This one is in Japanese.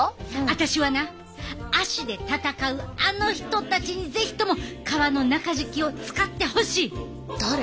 私はな足で戦うあの人たちに是非とも革の中敷きを使ってほしい！だれ？